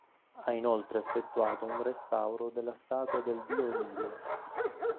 Ha inoltre effettuato un restauro della statua del dio Nilo.